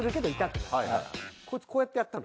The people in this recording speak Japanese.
コイツこうやってやったの。